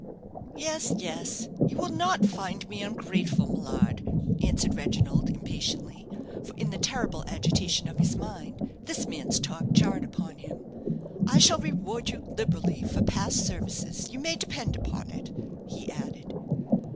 "Yes, yes you will not find me ungrateful, Millard," answered Reginald, impatiently; for in the terrible agitation of his mind, this man's talk jarred upon him. "I shall reward you liberally for past services, you may depend upon it," he added.